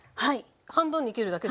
半分に切るだけですか？